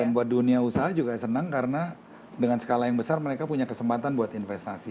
dan buat dunia usaha juga senang karena dengan skala yang besar mereka punya kesempatan buat investasi